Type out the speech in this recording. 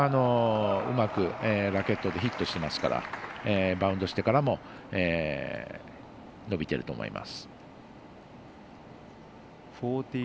うまくラケットでヒットしていますからバウンドしてからも伸びていると思います。